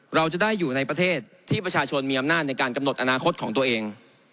เราจะได้อยู่ในประเทศที่ประชาชนมีอำนาจในการกำหนดอนาคตของตัวเอง